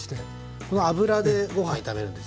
この油でご飯炒めるんですよ。